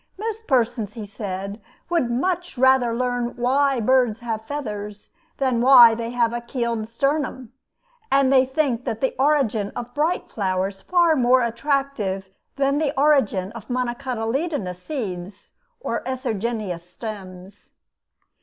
Most persons, he says, "would much rather learn why birds have feathers than why they have a keeled sternum, and they think the origin of bright flowers far more attractive than the origin of monocotyledonous seeds or esogenous stems."